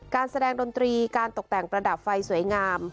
การแสดงดนตรีการตกแต่งประดับไฟสวยงาม